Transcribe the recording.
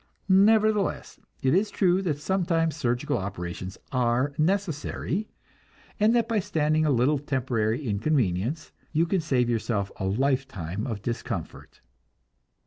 Nevertheless, it is true that sometimes surgical operations are necessary, and that by standing a little temporary inconvenience you can save yourself a life time of discomfort.